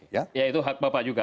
ya itu hak bapak juga